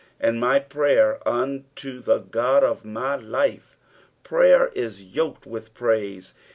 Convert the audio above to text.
"Arid tny vrayer unto tk» Ood of my life." Prayer is yoked with ptaise.